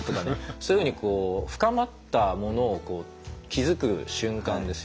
そういうふうに深まったものを気付く瞬間ですよね。